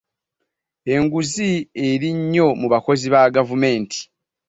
Enguzi eri nnyo mu bakozi ba gavumenti.